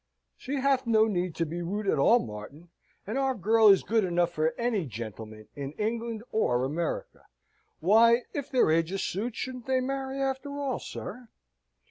"She hath no need to be rude at all, Martin; and our girl is good enough for any gentleman in England or America. Why, if their ages suit, shouldn't they marry after all, sir?"